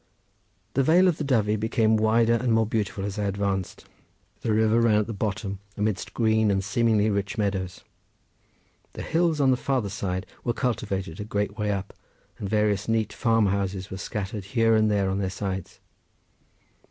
The Vale of the Dyfi became wider and more beautiful as I advanced. The river ran at the bottom amidst green and seemingly rich meadows. The hills on the farther side were cultivated a great way up, and various neat farm houses were scattered here and there on their sides.